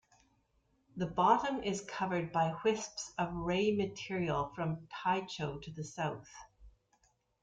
The bottom is covered by wisps of ray material from Tycho to the south.